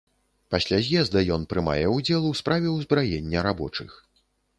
Пасля з'езда ён прымае ўдзел у справе ўзбраення рабочых.